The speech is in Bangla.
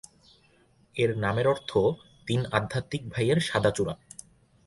এর নামের অর্থ "তিন আধ্যাত্মিক ভাইয়ের সাদা চূড়া"।